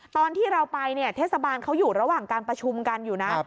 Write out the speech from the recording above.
ตอนที่เราไปเนี่ยเทศบาลเขาอยู่ระหว่างการประชุมกันอยู่นะ